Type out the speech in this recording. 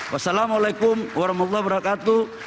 wassalamu'alaikum warahmatullahi wabarakatuh